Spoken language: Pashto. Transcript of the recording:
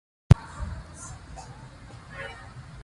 ازادي راډیو د ورزش په اړه د نوښتونو خبر ورکړی.